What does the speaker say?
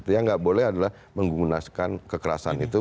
yang nggak boleh adalah menggunakan kekerasan itu